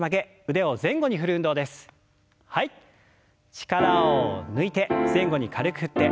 力を抜いて前後に軽く振って。